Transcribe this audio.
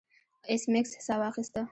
ایس میکس ساه واخیسته